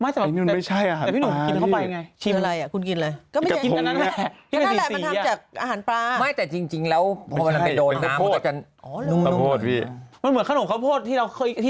แต่พี่หนุ่มกินเข้าไปไง